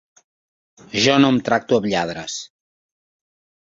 Jo no em tracto amb lladres.